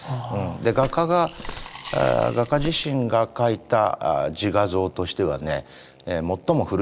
画家が画家自身が描いた自画像としては最も古いものだと思いますよ。